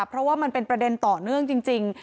เพราะว่ามันเป็นประเด็นต่อเนื่องจริง